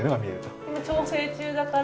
今調整中だから。